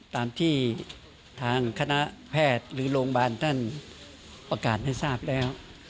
ตามที่ทางคณะแพทย์หรือโรงพยาบาลท่านประกาศให้ทราบแล้ว